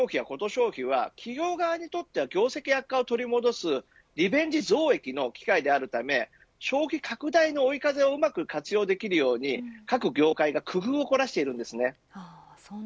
消費は企業側にとっては業績悪化を取り戻すリベンジ増益の機会でもあるため消費拡大の追い風をうまく活用できるように各業界が工夫を凝らしているんです。